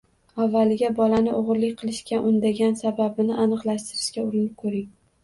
Avvaliga, bolani o‘g‘rilik qilishga undagan sababni aniqlashtirishga urinib ko‘ring.